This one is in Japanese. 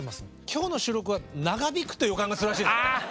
今日の収録は長引くという予感がするらしいです。